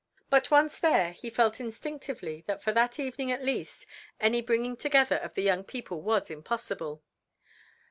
But once there he felt instinctively that for that evening at least any bringing together of the young people was impossible.